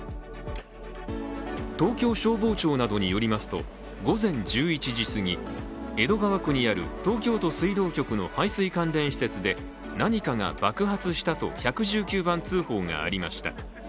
東京消防庁などによりますと、午前１１時過ぎ江戸川区にある東京都水道局の排水関連施設で何かが爆発したと１１９番通報がありました。